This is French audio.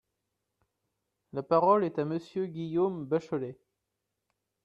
La parole est à Monsieur Guillaume Bachelay.